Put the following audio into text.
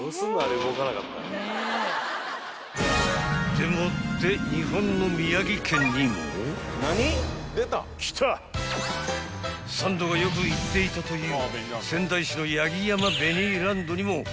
でもって日本の宮城県にも］［サンドがよく行っていたという］